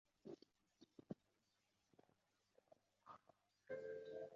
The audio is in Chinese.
长尖明叶藓为树生藓科明叶藓属下的一个种。